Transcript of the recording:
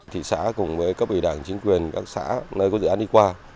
thị xã cùng với các ủy đảng chính quyền các xã nơi có dự án đi qua